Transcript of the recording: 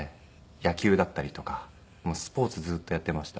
野球だったりとかスポーツずーっとやっていました。